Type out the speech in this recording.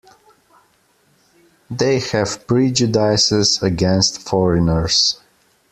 They have prejudices against foreigners.